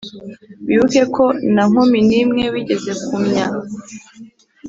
wibuke ko na nkumi n'imwe wigeze kumy a